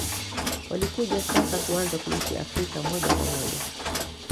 Walikuja sasa kuanza kuishi Afrika moja kwa moja